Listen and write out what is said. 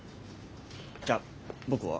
じゃあ僕は。